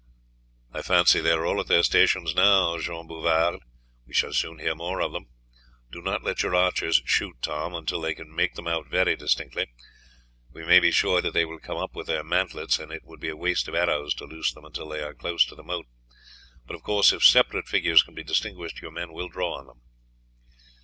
"I fancy they are all at their stations now, Jean Bouvard; we shall soon hear more of them. Do not let your archers shoot, Tom, until they can make them out very distinctly. We may be sure that they will come up with their mantlets, and it would be a waste of arrows to loose at them until they are close to the moat; but of course if separate figures can be distinguished your men will draw on them."